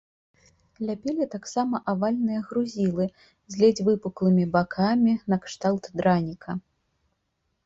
Ляпілі таксама авальныя грузілы з ледзь выпуклымі бакамі накшталт драніка.